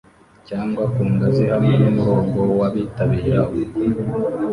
cyangwa ku ngazi hamwe n'umurongo w'abitabira ubukwe